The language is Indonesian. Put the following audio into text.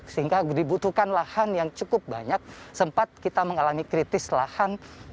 sehingga dibutuhkan lahan yang cukup banyak sempat kita mengalami kritis lahan